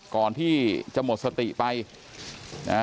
ก่อนที่จะหมดสติไปนะฮะ